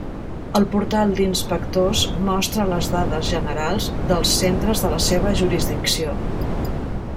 El portal d'inspectors mostra les dades generals dels centres de la seva jurisdicció.